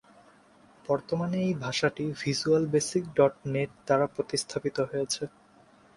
বর্তমানে এই ভাষাটি ভিজুয়াল বেসিক ডট নেট দ্বারা প্রতিস্থাপিত হয়েছে।